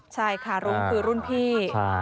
ใช่ค่ะรุ้งคือรุ่นพี่